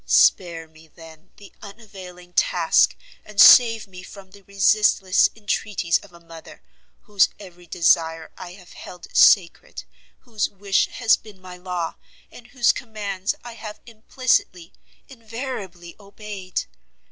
Spare me, then, the unavailing task; and save me from the resistless entreaties of a mother, whose every desire I have held sacred, whose wish has been my law, and whose commands I have implicitly, invariably obeyed!